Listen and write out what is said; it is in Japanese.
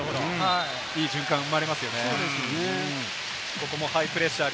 いい循環が生まれますよね。